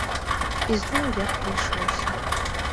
І зноў як прыйшлося.